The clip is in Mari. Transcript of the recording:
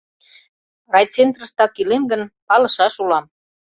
— Райцентрыштак илем гын, палышаш улам.